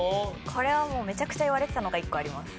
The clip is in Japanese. これはもうめちゃくちゃ言われてたのが１個あります。